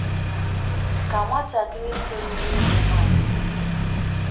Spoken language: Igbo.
Ka nwatakịrị toruru ịlụ nwanyị